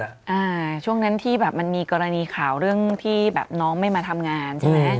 อ่าช่วงนั้นที่แบบมันมีกรณีข่าวเรื่องที่แบบน้องไม่มาทำงานใช่ไหม